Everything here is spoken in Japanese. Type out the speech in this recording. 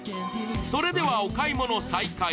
それではお買い物再開。